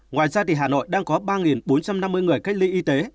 ngoài ra hà nội đang có ba bốn trăm năm mươi người cách ly y tế